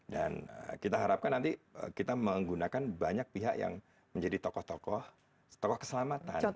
dan kita harapkan nanti kita menggunakan banyak pihak yang menjadi tokoh tokoh tokoh keselamatan